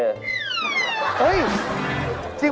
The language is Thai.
จริงปะเนี่ยจริง